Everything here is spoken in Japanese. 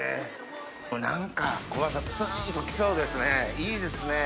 何か小松さんツンっときそうですねいいですね。